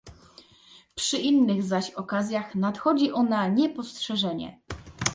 Przy innych zaś okazjach nadchodzi ona niepostrzeżenie